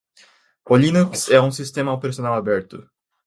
O Linux é um sistema operacional aberto.